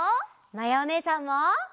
まやおねえさんも！